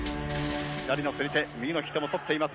左の釣り手右の引き手も取っています山下。